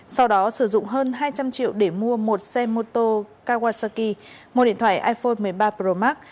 sau đó sử dụng hơn hai trăm linh triệu để mua một xe mô tô kawasaki một điện thoại iphone một mươi ba pro max